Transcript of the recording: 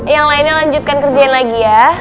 yang lainnya lanjutkan kerjain lagi ya